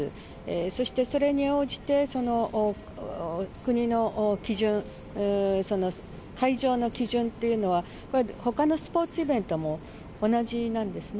そしてそれに応じて、国の基準、その会場の基準というのは、ほかのスポーツイベントも同じなんですね。